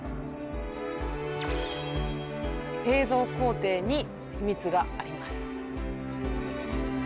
製造工程に秘密があります